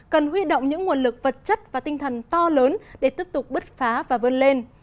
cần huy động những nguồn lực vật chất và tinh thần to lớn để tiếp tục bứt phá và vươn lên